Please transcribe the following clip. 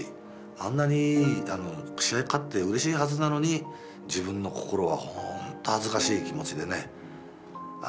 あんなに試合に勝ってうれしいはずなのに自分の心はほんと恥ずかしい気持ちでねあのいましたよ。